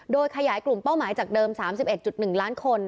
โดยขยายกลุ่มเป้าหมายจากเดิม๓๑๑ล้านคน